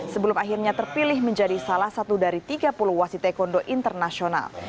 sebelum akhirnya terpilih menjadi salah satu dari tiga puluh wasit taekwondo internasional